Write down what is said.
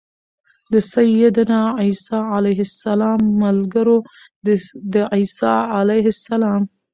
د سيّدنا عيسی عليه السلام ملګرو د عيسی علیه السلام